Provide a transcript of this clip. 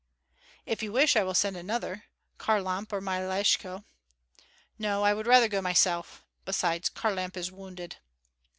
"If you wish I will send another, Kharlamp or Myeleshko." "No, I would rather go myself; besides, Kharlamp is wounded."